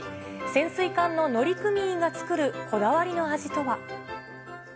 潜水艦の乗組員が作るこだわりの味とは。